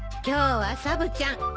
今日はサブちゃん